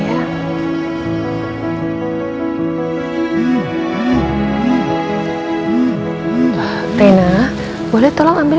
emma udah better